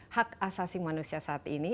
hak asasi manusia saat ini